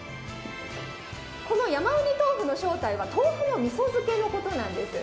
この山うにとうふの正体は豆腐のみそ漬けのことなんです。